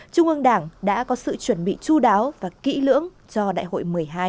trung ương đảng đã có sự chuẩn bị chú đáo và kỹ lưỡng cho đại hội một mươi hai